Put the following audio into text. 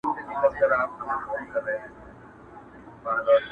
o سپي په خپل منځ کي سره خوري، فقير تې سلا يوه وي!